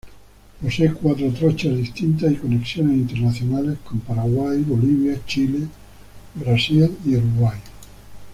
Posee cuatro trochas distintas y conexiones internacionales con Paraguay, Bolivia, Chile, Brasil y Uruguay.